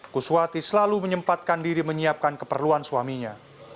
kuswati selalu menyempatkan diri menyiapkan keperluan suaminya